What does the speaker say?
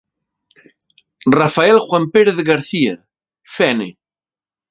Rafael Juan Pérez García, Fene.